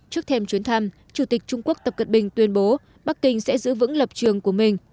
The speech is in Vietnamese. trước thêm chuyến thăm chủ tịch trung quốc tập cận bình tuyên bố bắc kinh sẽ giữ vững lập trường của mình